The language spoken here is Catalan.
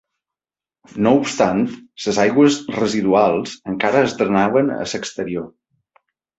No obstant, les aigües residuals encara es drenaven a l'exterior.